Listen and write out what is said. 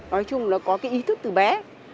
nói chung là có cái ý thức từ bé